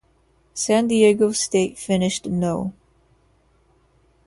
San Diego State finished no.